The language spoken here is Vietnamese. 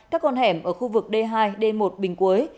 các con hẻm ở khu vực d hai d một bình quế